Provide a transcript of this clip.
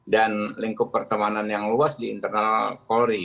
dan lingkup pertemanan yang luas di internal polri